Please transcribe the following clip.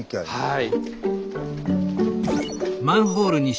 はい。